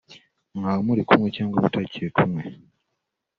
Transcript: mwaba muri kumwe cyangwa mutakiri kumwe